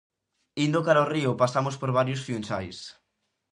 Indo cara ao río pasamos por varios fiunchais.